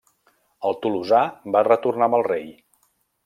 El tolosà va retornar amb el rei.